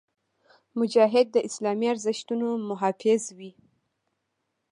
مجاهد د اسلامي ارزښتونو محافظ وي.